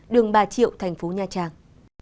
đường ba triệu tp nha trang